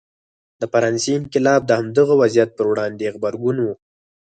د فرانسې انقلاب د همدغه وضعیت پر وړاندې غبرګون و.